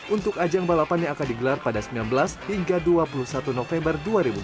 untuk ajang balapan yang akan digelar pada sembilan belas hingga dua puluh satu november dua ribu dua puluh